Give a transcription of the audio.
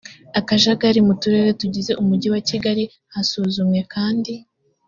akajagari mu turere tugize umujyi wa kigali hasuzumwe kandi